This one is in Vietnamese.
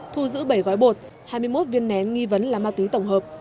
thu giữ bảy gói bột hai mươi một viên nén nghi vấn là ma túy tổng hợp